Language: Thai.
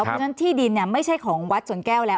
เพราะฉะนั้นที่ดินไม่ใช่ของวัดสวนแก้วแล้ว